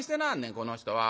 この人は。